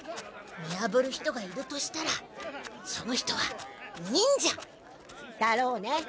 見やぶる人がいるとしたらその人は忍者。だろうね。